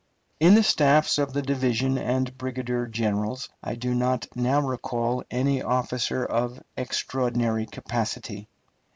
In the staffs of the division and brigadier generals I do not now recall any officer of extraordinary capacity.